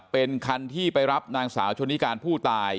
เป็นคันที่ไปรับนางสาวชนิการผู้ตาย